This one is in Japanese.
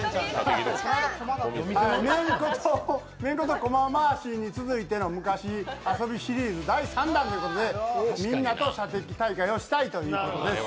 めんことコマ回しに続いての昔遊びシリーズ第３弾ということでみんなと射的大会をしたいということです。